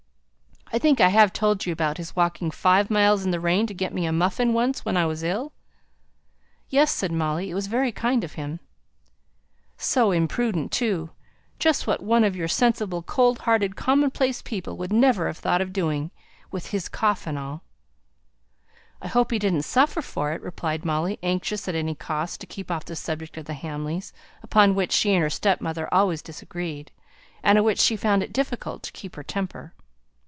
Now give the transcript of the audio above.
I think I have told you about his walking five miles in the rain to get me a muffin once when I was ill?" "Yes!" said Molly. "It was very kind of him." "So imprudent, too! Just what one of your sensible, cold hearted, commonplace people would never have thought of doing. With his cough and all." "I hope he didn't suffer for it?" replied Molly, anxious at any cost to keep off the subject of the Hamleys, upon which she and her stepmother always disagreed, and on which she found it difficult to keep her temper.